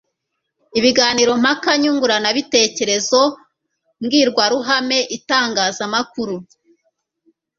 ibiganiro mpaka, nyunguranabitekerezo, mbwirwaruhame itangazamakuru